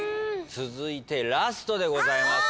続いてラストでございます。